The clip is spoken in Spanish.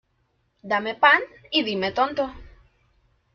Dame pan, y dime tonto.